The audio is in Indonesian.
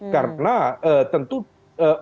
karena tentu otoritasnya